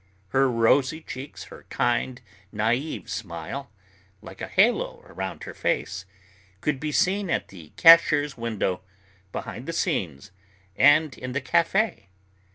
Her rosy cheeks, her kind naïve smile, like a halo around her face, could be seen at the cashier's window, behind the scenes, and in the café.